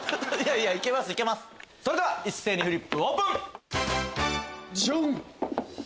それでは一斉にフリップオープン！